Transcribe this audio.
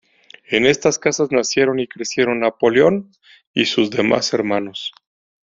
En esta casa nacieron y crecieron Napoleón y sus demás hermanos.